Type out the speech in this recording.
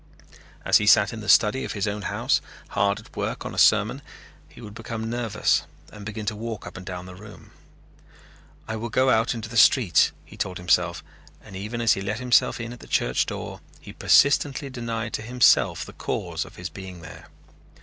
As he sat in the study of his own house, hard at work on a sermon, he would become nervous and begin to walk up and down the room. "I will go out into the streets," he told himself and even as he let himself in at the church door he persistently denied to himself the cause of his being there.